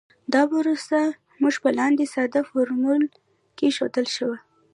دا پروسه موږ په لاندې ساده فورمول کې ښودلی شو